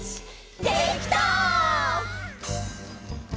「できた！」